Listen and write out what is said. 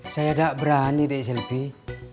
saya gak berani deh selfie